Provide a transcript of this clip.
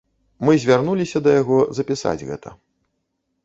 Мы звярнуліся да яго запісаць гэта.